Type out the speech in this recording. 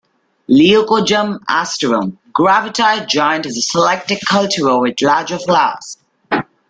"Leucojum aestivum" 'Gravetye Giant' is a selected cultivar with larger flowers.